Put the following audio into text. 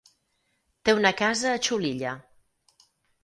Té una casa a Xulilla.